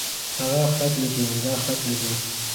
هغۀ خط ليکي. دا خط ليکي.